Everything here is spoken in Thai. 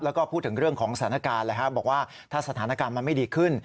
แล้วก็พูดถึงเรื่องของสถานการณ์บอกว่าถ้าสถานการณ์มันไม่ดีขึ้น